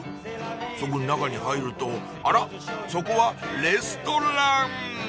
そこの中に入るとあらそこはレストラン！